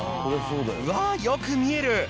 わあよく見える！